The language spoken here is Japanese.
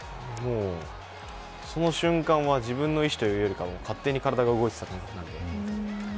その瞬間は自分の意思というよりか勝手に体が動いていた感覚なので。